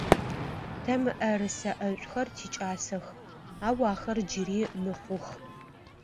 Тэ мыӏэрысэ ӏэшӏухэр тикӏасэх, ау ахэр джыри мыхъух.